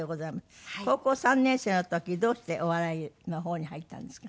高校３年生の時どうしてお笑いの方に入ったんですか？